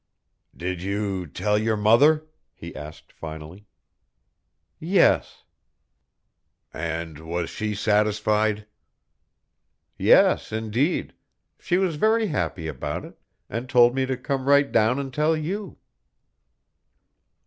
"Did you tell your mother?" he asked finally. "Yes." "And was she satisfied?" "Yes, indeed; she was very happy about it, and told me to come right down and tell you."